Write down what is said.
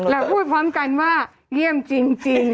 แล้วพูดพร้อมกันว่าเยี่ยมจริงจริง